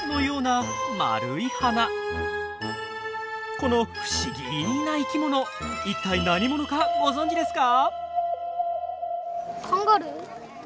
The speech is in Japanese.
この不思議な生きものいったい何者かご存じですか？